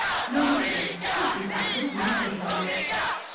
No mushrooms! what is the little woman thinking about?'